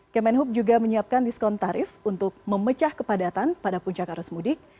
kemenhub juga menyiapkan diskon tarif untuk memecah kepadatan pada puncak arus mudik